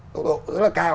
tốc độ rất là cao